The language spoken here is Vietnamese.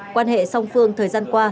quan hệ song phương thời gian qua